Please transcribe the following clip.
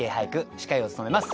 司会を務めます